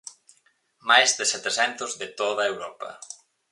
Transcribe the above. Máis de setecentos de toda Europa.